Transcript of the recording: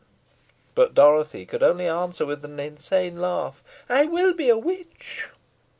But Dorothy could only answer with an insane laugh "I will be a witch."